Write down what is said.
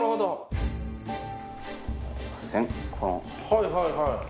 はいはいはい。